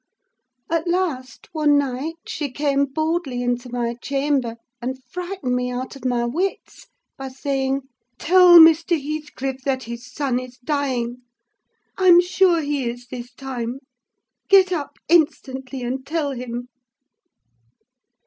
"At last, one night she came boldly into my chamber, and frightened me out of my wits, by saying, 'Tell Mr. Heathcliff that his son is dying—I'm sure he is, this time. Get up, instantly, and tell him.